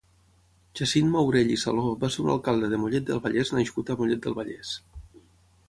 Jacint Maurell i Saló va ser un alcalde de Mollet del Vallès nascut a Mollet del Vallès.